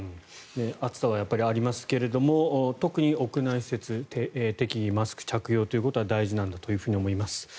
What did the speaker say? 暑さはやっぱりありますが特に屋内施設、適宜マスク着用は大事なんだと思います。